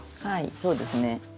はいそうですね。